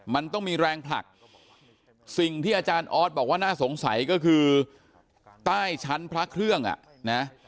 มันต้องมีแรงผลักสิ่งที่อาจารย์ออสบอกว่าน่าสงสัยก็คือใต้ชั้นพระเครื่องอ่ะนะ